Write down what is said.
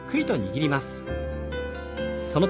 はい。